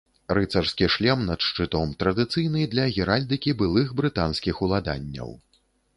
Рыцарскі шлем над шчытом традыцыйны для геральдыкі былых брытанскіх уладанняў.